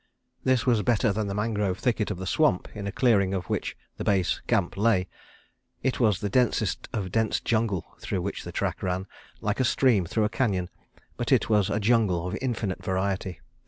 This was better than the mangrove thicket of the swamp, in a clearing of which the base camp lay. It was the densest of dense jungle through which the track ran, like a stream through a cañon, but it was a jungle of infinite variety.